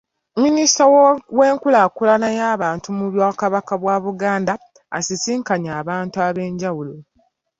Minisita w'enkulaakulana y'abantu mu Bwakabaka bwa Buganda asisinkanye abantu ab'enjawulo.